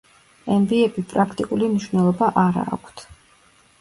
ემბიები პრაქტიკული მნიშვნელობა არა აქვთ.